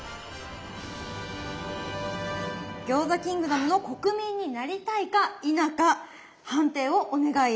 餃子キングダムの国民になりたいか否か判定をお願いいたします。